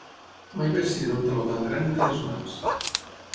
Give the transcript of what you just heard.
Mai vaig tenir un taló tan gran entre les mans.